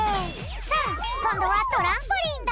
さあこんどはトランポリンだ。